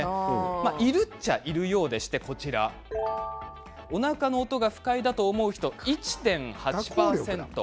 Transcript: いるっちゃいるようでしておなかの音が不快だと思う人１．８％。